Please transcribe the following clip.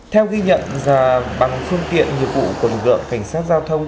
theo ghi nhận bằng phương tiện nghiệp vụ của lực lượng cảnh sát giao thông